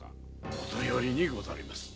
もとよりにござります。